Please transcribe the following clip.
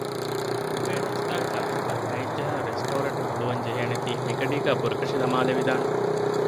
ބުފޭ ނާސްތާގެ ކަންތަކަށް ހައެއް ޖަހާއިރު ރެސްޓޯރެންޓު ހުޅުވަން ޖެހޭނޭތީ މިގަޑީގައި ބުރަކަށި ދަމާލެވިދާނެ